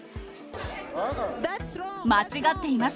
間違っています！